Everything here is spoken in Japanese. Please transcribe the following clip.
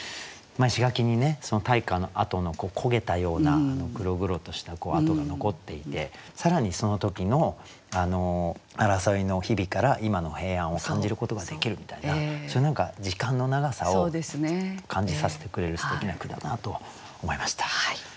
石垣に大火の跡の焦げたような黒々とした跡が残っていて更にその時の争いの日々から今の平安を感じることができるみたいなそういう何か時間の長さを感じさせてくれるすてきな句だなと思いました。